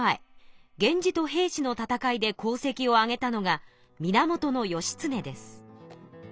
源氏と平氏の戦いで功績をあげたのが源義経です。